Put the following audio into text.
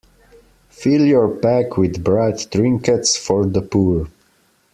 Fill your pack with bright trinkets for the poor.